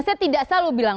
saya tidak selalu bilang